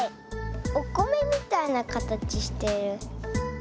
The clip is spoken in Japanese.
おこめみたいなかたちしてる。